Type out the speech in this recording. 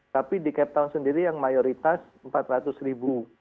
tapi di cape town sendiri yang mayoritas empat ratus ribu